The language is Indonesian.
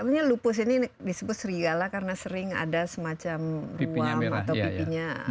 nah katanya lupus ini disebut serigala karena sering ada semacam ruang atau pipinya merah